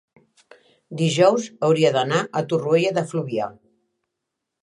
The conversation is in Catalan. dijous hauria d'anar a Torroella de Fluvià.